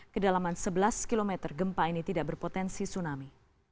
kedalaman sebelas km gempa ini tidak berpotensi tsunami